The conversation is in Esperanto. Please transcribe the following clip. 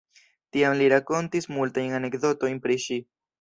Tiam li rakontis multajn anekdotojn pri ŝi.